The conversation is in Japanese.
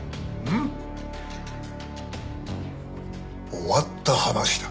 終わった話だ。